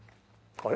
あれ？